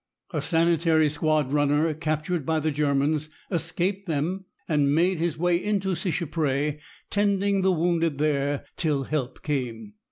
A sanitary squad runner captured by the Germans, escaped them and made his way into Seicheprey, tending the wounded there till help came.